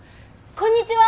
こんにちは！